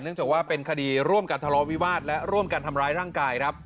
จากว่าเป็นคดีร่วมกันทะเลาะวิวาสและร่วมกันทำร้ายร่างกายครับ